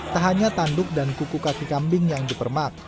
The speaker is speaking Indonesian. tak hanya tanduk dan kuku kaki kambing yang dipermak